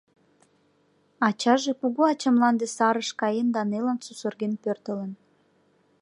Ачаже Кугу Ачамланде сарыш каен да нелын сусырген пӧртылын